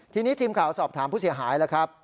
ทีนี้ทีมข่าวสอบถามผู้เสียหายแล้วครับ